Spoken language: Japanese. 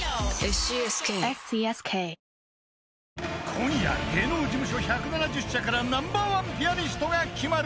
［今夜芸能事務所１７０社からＮｏ．１ピアニストが決まる！］